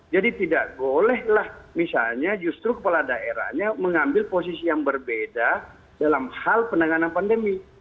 jadi tidak bolehlah misalnya justru kepala daerahnya mengambil posisi yang berbeda dalam hal penanganan pandemi